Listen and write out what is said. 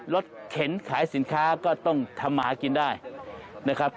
เข็นขายสินค้าก็ต้องทำมากินได้นะครับ